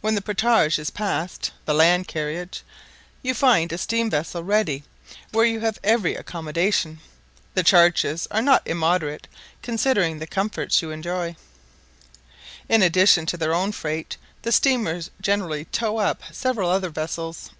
When the portage is passed (the land carriage), you find a steam vessel ready, where you have every accommodation. The charges are not immoderate, considering the comforts you enjoy. In addition to their own freight, the steamers generally tow up several other vessels.